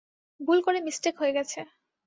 ভুল করে মিসটেক হয়ে গেছে।